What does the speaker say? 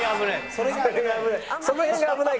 それが危ない。